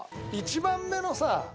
１番目のさ